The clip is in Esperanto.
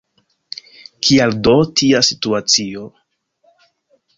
Kial do tia situacio?